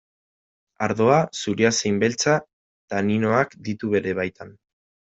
Ardoa, zuria zein beltza, taninoak ditu bere baitan.